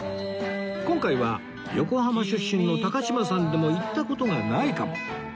今回は横浜出身の高島さんでも行った事がないかも？